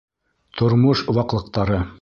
Тормош ваҡлыҡтары!